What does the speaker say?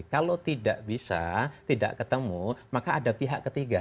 kalau tidak bisa tidak ketemu maka ada pihak ketiga